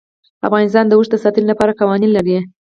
افغانستان د اوښ د ساتنې لپاره قوانین لري.